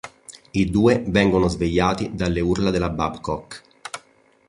I due vengono svegliati dalle urla della Babcock.